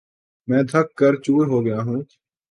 میں تھک کر چُور ہوگیا